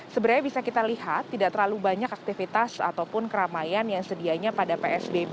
sebenarnya bisa kita lihat tidak terlalu banyak aktivitas ataupun keramaian yang sedianya pada psbb